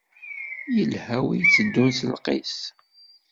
Ilha wi iteddun s lqis.